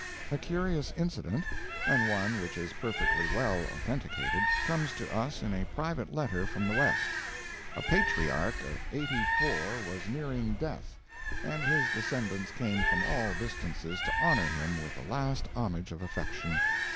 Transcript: A curious incident, and one which is perfectly well authenticated, comes to us in a private letter from the West. A patriarch of eighty four was nearing death, and his descendants came from all distances to honor him with the last homage of affection.